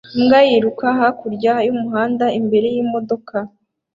Imbwa yiruka hakurya y'umuhanda imbere y'imodoka